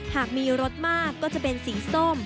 หากมีรสมากก็จะเป็นสีส้ม